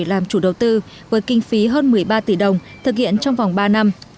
làm chủ đầu tư với kinh phí hơn một mươi ba tỷ đồng thực hiện trong vòng ba năm